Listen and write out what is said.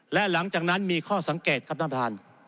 และหลังจากนั้นมีข้อสังเกตครับท่านประธาน